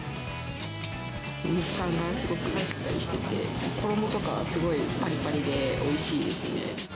肉感がすごくしっかりしてて、衣とか、すごいぱりぱりでおいしいですね。